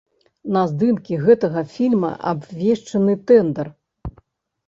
На здымкі гэтага фільма абвешчаны тэндар.